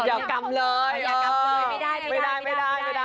อย่ากำเลยไม่ได้ไม่ได้